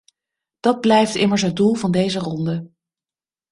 Dat blijft immers het doel van deze ronde.